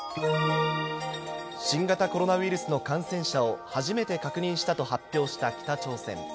新型コロナウイルスの感染者を初めて確認したと発表した北朝鮮。